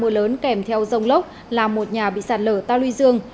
mưa lớn kèm theo giông lốc là một nhà bị sạt lở ta lui dương